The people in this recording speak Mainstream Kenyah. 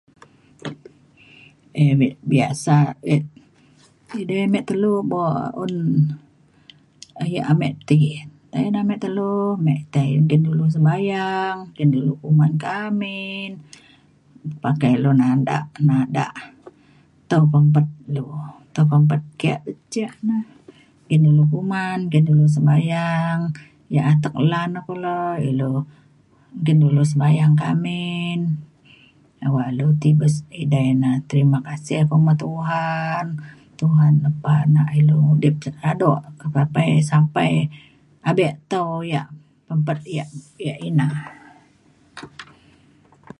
ya' mik biasa ek edai mik telu be'un ya' amik ti, tai ne mik telu, mik tai engkin du sembayang, engkin dulu kuman ke amin pakai lu nandak nandak tau pempet lu. tau pempet ke' ce' na engkin dulu kuman, engkin dulu sembahyang ya' atek lan e kulu ilu engkin dulu sembayang ke amin awak lu ti bes edai ne terima kasih pe me Tuhan. Tuhan lepa nak ilu udip ja daduk [unintelligible] sampai abik tau ya' pempet ya' ya' ina.